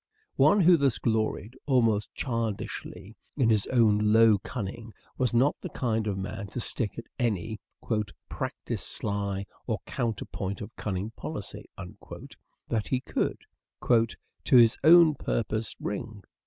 One who thus gloried almost childishly in his own low cunning was not the kind of man to stick at any " practice sly, or counterpoint of cunning policy," that he could " to his own purpose wring."